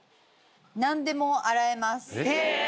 なんでも洗えます。